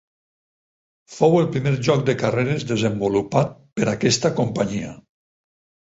Fou el primer joc de carreres desenvolupat per aquesta companyia.